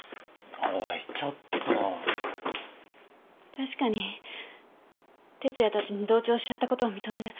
確かに哲哉たちに同調しちゃったことは認める。